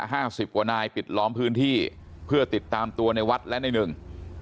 ห้าสิบกว่านายปิดล้อมพื้นที่เพื่อติดตามตัวในวัดและในหนึ่ง